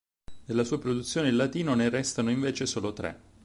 Della sua produzione in latino ne restano invece solo tre.